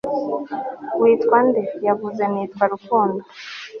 Witwa nde Yavuze ati Nitwa Urukundo